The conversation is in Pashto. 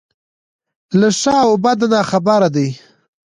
له ښه او بده ناخبره دی.